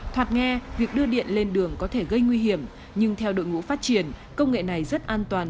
thoạt nghe việc đưa điện lên đường có thể gây nguy hiểm nhưng theo đội ngũ phát triển công nghệ này rất an toàn